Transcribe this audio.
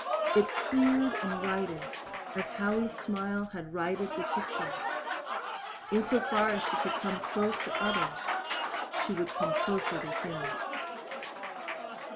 It cleared and righted as Howie's smile had righted the picture. In so far as she could come close to others she would come closer to him.